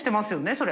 それ。